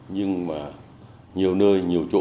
nhưng mà nhiều nơi nhiều chỗ